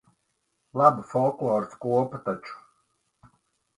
Laba folkloras kopa taču.